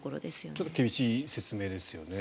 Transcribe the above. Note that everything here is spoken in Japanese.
ちょっと厳しい説明ですよね。